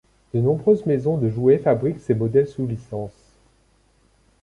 De nombreuses maisons de jouets fabriquent ses modèles sous licence.